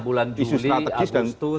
kalau saya melihat ya bulan juli